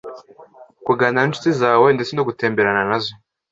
Kuganira n’inshuti zawe ndetse no gutemberana na zo